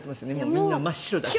みんな真っ白とか。